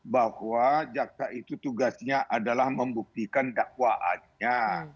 bahwa jaksa itu tugasnya adalah membuktikan dakwaannya